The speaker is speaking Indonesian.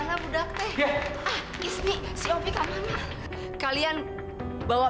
ra gue bawa makanan ini buat lo